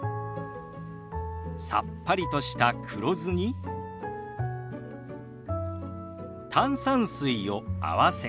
さっぱりとした黒酢に炭酸水を合わせ